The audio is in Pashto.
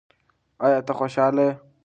ایا ته خوشاله یې؟